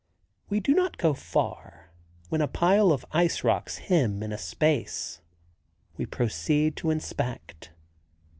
We do not go far, when a pile of ice rocks hem in a space. We proceed to inspect.